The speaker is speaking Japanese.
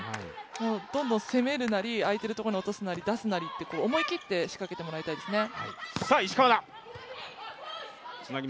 もうどんどん攻めるなり、空いているところに落とすなり、出すなり思い切って仕掛けてもらいたいですね。